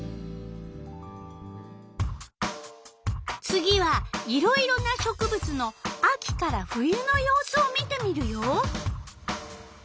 次はいろいろな植物の秋から冬の様子を見てみるよ。